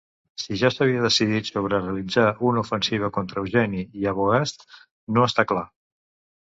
Si ja s'havia decidit sobre realitzar una ofensiva contra Eugeni i Arbogast no està clar.